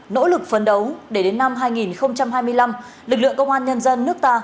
nỗ lực phấn đấu để đến năm hai nghìn hai mươi năm lực lượng công an nhân dân nước ta